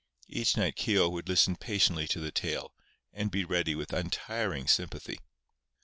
Each night Keogh would listen patiently to the tale, and be ready with untiring sympathy.